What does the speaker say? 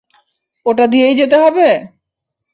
ওটা দিয়েই যেতে হবে!